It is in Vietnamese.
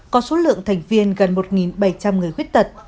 có số lượng thành viên gần một bảy trăm linh người khuyết tật